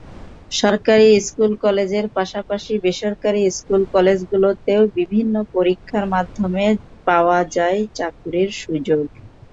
সরকারি স্কুল-কলেজের পাশাপাশি বেসরকারি স্কুল-কলেজগুলোতেও বিভিন্ন পরীক্ষার মাধ্যমে পাওয়া যায় চাকরির সুযোগ।